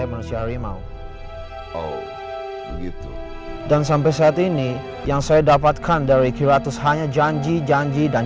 manusia harimau begitu dan sampai saat ini yang saya dapatkan dari kilatus hanya janji janji dan